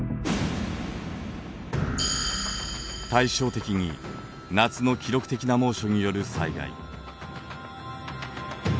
対照的に夏の記録的な猛暑による災害。